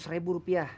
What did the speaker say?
seratus ribu rupiah